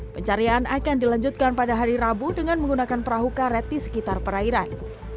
pencarian akan dilanjutkan pada hari rabu dengan menggunakan perahu karet di sekitar perairan